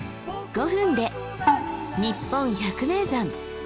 ５分で「にっぽん百名山」。